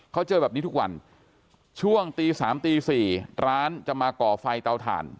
เขาเจอแบบนี้ทุกวันช่วงตี๓ตี๔ร้านจะมาก่อไฟเตาถ่าน